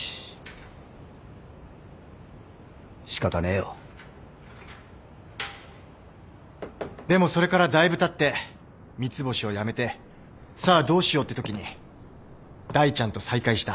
仕方ねえよでもそれからだいぶたって三ツ星を辞めてさあどうしようってときに大ちゃんと再会した。